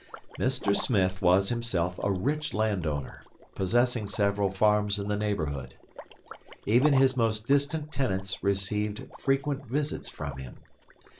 Mr. Smith was himself a rich land owner, possessing several farms in the neighborhood. Even his most distant tenants received frequent visits from him.